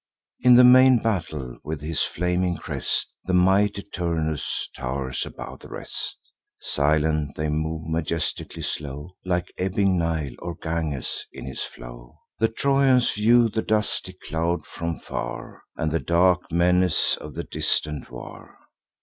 In the main battle, with his flaming crest, The mighty Turnus tow'rs above the rest. Silent they move, majestically slow, Like ebbing Nile, or Ganges in his flow. The Trojans view the dusty cloud from far, And the dark menace of the distant war.